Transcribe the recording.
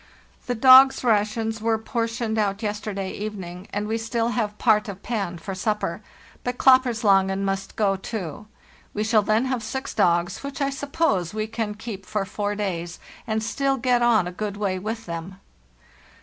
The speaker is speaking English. The dogs' rations were portioned out yesterday evening, and we still have BY SLEDGE AND KAYAK 241 part of 'Pan' for supper; but 'Klapperslangen' must go, too. We shall then have six dogs, which, I suppose, we can keep four days, and still get on a good way with them.